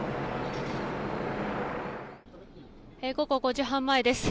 午後５時半前です。